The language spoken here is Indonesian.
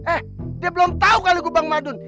eh dia belum tahu kalau gue bang madon